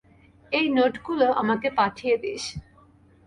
এই, নোট গুলো আমাকে পাঠিয়ে দিস।